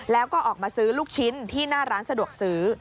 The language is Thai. แล้วก็ออกมาซื้อลูกชิ้นที่หน้าร้านสะดวกซื้อ